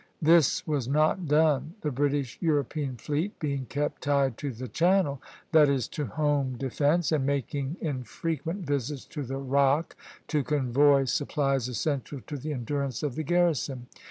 This was not done; the British European fleet being kept tied to the Channel, that is, to home defence, and making infrequent visits to the Rock to convoy supplies essential to the endurance of the garrison.